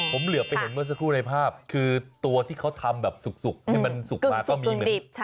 ผมเหลือไปเห็นเมื่อสักครู่ในภาพคือตัวที่เขาทำแบบสุกให้มันสุกมาก็มีเหมือนกัน